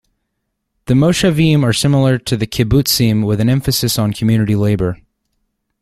The moshavim are similar to kibbutzim with an emphasis on community labour.